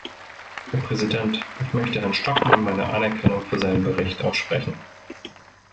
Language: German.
Herr Präsident! Ich möchte Herrn Stockmann meine Anerkennung für seinen Bericht aussprechen.